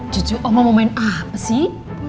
cucu oma mau main apa sih